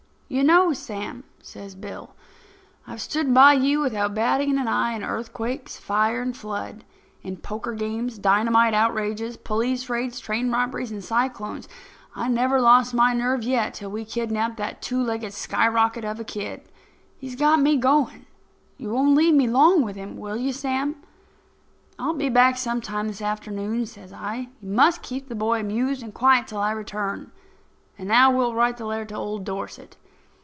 "You know, Sam," says Bill, "I've stood by you without batting an eye in earthquakes, fire and flood—in poker games, dynamite outrages, police raids, train robberies and cyclones. I never lost my nerve yet till we kidnapped that two legged skyrocket of a kid. He's got me going. You won't leave me long with him, will you, Sam?" "I'll be back some time this afternoon," says I. "You must keep the boy amused and quiet till I return. And now we'll write the letter to old Dorset."